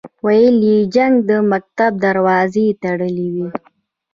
ویل یې جنګ د مکتب دروازې تړلې وې.